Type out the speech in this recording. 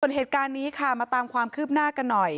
ส่วนเหตุการณ์นี้ค่ะมาตามความคืบหน้ากันหน่อย